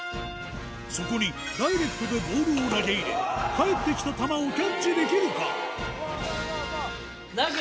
そこにダイレクトでボールを投げ入れ返ってきた球をキャッチできるか？